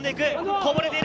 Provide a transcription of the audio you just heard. こぼれている！